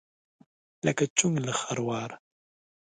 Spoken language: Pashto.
لکه: چونګ له خرواره.